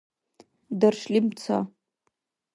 даршлим ца